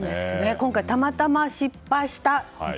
今回、たまたま失敗した。